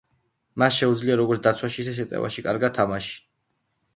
მას შეუძლია როგორც დაცვაში ისე შეტევაში კარგად თამაში.